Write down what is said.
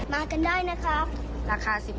มากันได้นะครับ